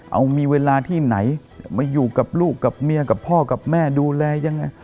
เอามีเวลาที่ไหนมาอยู่กับลูกกับเมียกับพ่อกับแม่ดูแลยังไง